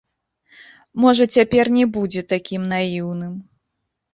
Можа, цяпер не будзе такім наіўным.